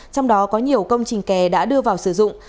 trong đó có nhiều công trình kè đã đưa vào sử dụng